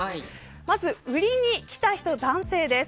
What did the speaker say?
まず売りに来た人、男性です。